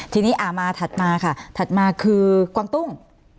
ทีนี้มาถัดมาค่ะถัดมาคือกวางตุ้ง